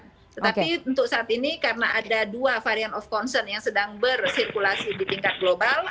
tetapi untuk saat ini karena ada dua varian of concern yang sedang bersirkulasi di tingkat global